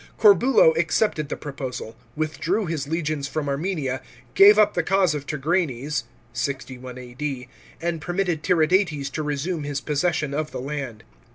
Corbulo accepted the proposal, withdrew his iegions from Armenia, gave up the cause of Tigranes (61 A.D.), and permitted Tiridates to resume his possession of the land.